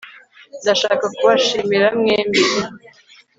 ndashaka kubashimira mwembi